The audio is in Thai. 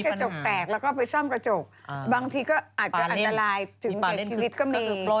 กระจกแตกแล้วก็ไปซ่อมกระจกบางทีก็อาจจะอันตรายถึงแก่ชีวิตก็มี